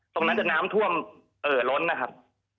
ตรงนั้นจะน้ำท่วมเอ่อล้นนะครับ